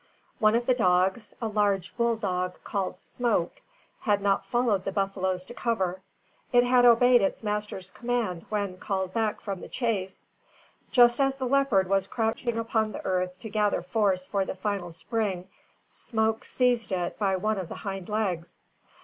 One of the dogs a large bull dog called "Smoke" had not followed the buffaloes to cover. It had obeyed its master's command when called back from the chase. Just as the leopard was crouching upon the earth to gather force for the final spring, Smoke seized it by one of the hind legs.